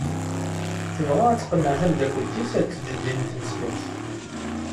Tebɣa ad tqenneɛ tamdakelt-is ad teǧǧ ddin n tneslemt.